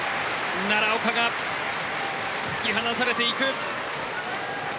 奈良岡が突き放されていく。